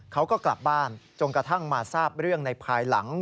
เขาก็กลับบ้านจนกระทั่งมาทราบเรื่องในภายหลัง